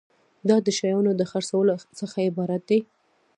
دا د شیانو د خرڅولو څخه عبارت دی.